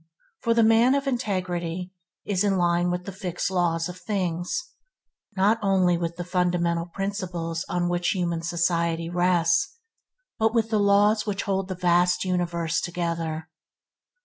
For the man of integrity is in line with the fixed laws of things – not only with the fundamental principles on which human society rests, but with the laws which hold the vast universe together.